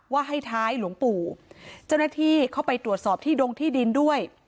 ว่าให้ท้ายหลวงปู่เจ้าหน้าที่เข้าไปตรวจสอบที่ดงที่ดินด้วย